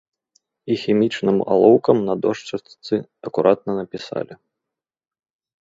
І хімічным алоўкам на дошчачцы акуратна напісалі.